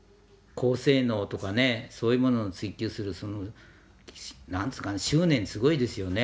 高性能とかねそういうものを追求する何て言うかね執念すごいですよね。